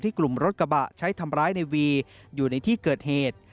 กลุ่มรถกระบะใช้ทำร้ายในวีอยู่ในที่เกิดเหตุ